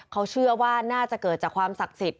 เขาเชื่อว่าน่าจะเกิดจากความศักดิ์สิทธิ